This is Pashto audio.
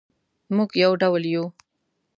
مونږ یو ډول یو